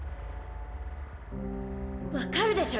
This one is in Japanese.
分かるでしょ？